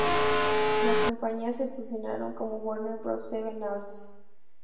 Las compañías se fusionaron como Warner Bros.-Seven Arts.